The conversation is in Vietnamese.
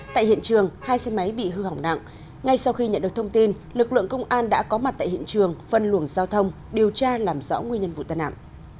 tại hiện trường hai xe máy bị hư hỏng nặng ngay sau khi nhận được thông tin lực lượng công an đã có mặt tại hiện trường phân luồng giao thông điều tra làm rõ nguyên nhân vụ tai nạn